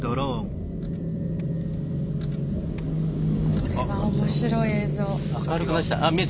これは面白い映像。